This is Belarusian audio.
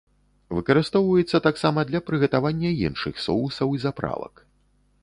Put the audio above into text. Выкарыстоўваецца таксама для прыгатавання іншых соусаў і заправак.